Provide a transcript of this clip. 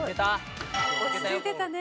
落ち着いてたね。